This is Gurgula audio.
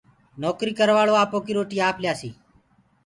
نوڪري ڪروآݪو آپو ڪيِ روٽيِ آپ ڪيآسي۔